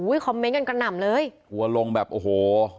อุ๊ยคอมเมนต์กันกระหน่ำเลยอนลงแบบโอ้โห